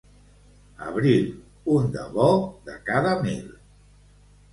Abril, un de bo de cada mil.